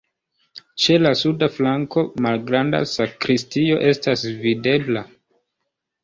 Ĉe la suda flanko malgranda sakristio estas videbla.